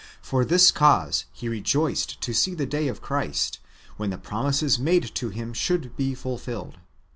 For this cause, he rejoiced to see the day of Christ, when the promises made to him should he fulfilled.